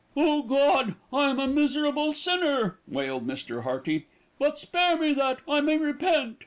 "Oh God! I am a miserable sinner," wailed Mr. Hearty; "but spare me that I may repent."